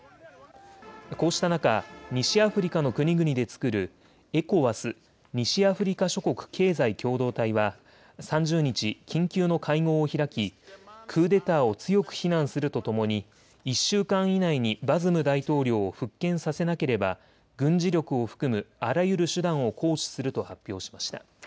こうした中、西アフリカの国々で作るＥＣＯＷＡＳ・西アフリカ諸国経済共同体は３０日、緊急の会合を開きクーデターを強く非難するとともに１週間以内にバズム大統領を復権させなければ軍事力を含むあらゆる手段を行使すると発表しました。